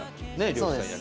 漁師さん役。